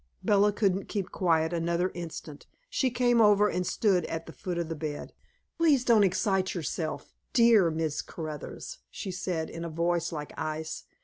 Bella couldn't keep quiet another instant. She came over and stood at the foot of the bed. "Please don't excite yourself, DEAR Miss Caruthers," she said in a voice like ice.